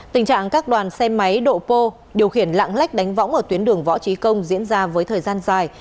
tình trạng các đoàn xe máy độ pô điều khiển lạng lách đánh võng ở tuyến đường võ trí công diễn ra với thời gian dài